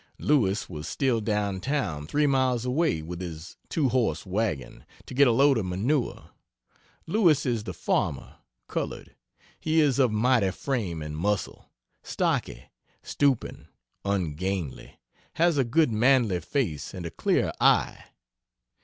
Lewis was still down town, three miles away, with his two horse wagon, to get a load of manure. Lewis is the farmer (colored). He is of mighty frame and muscle, stocky, stooping, ungainly, has a good manly face and a clear eye.